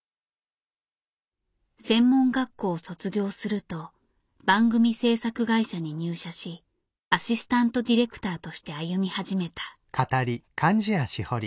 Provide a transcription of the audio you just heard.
専門学校を卒業すると番組制作会社に入社しアシスタントディレクターとして歩み始めた。